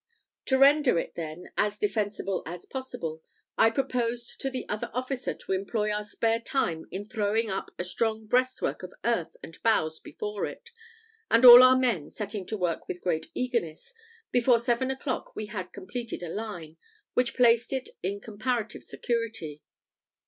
To render it, then, as defensible as possible, I proposed to the other officer to employ our spare time in throwing up a strong breastwork of earth and boughs before it; and all our men setting to work with great eagerness, before seven o'clock we had completed a line, which placed it in comparative security.